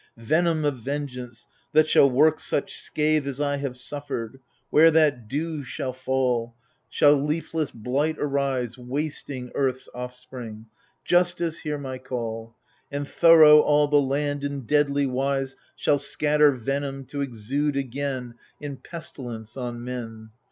Venom of vengeance, that shall work such scathe As I have suffered ; where that dew shall fall, THE FURIES 173 Shall leafless blight arise, Wasting Earth's offspring, — Justice, hear my call!— And thorough all the land in deadly wise Shall scatter venom, to exude again In pestilence on men.